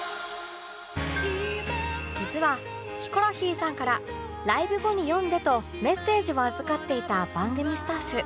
実はヒコロヒーさんから「ライブ後に読んで」とメッセージを預かっていた番組スタッフ